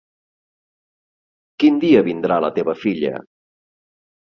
Quin dia vindrà la teva filla?